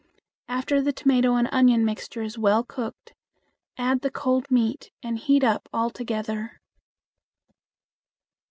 After the tomato and onion mixture is well cooked, add the cold meat and heat up all together.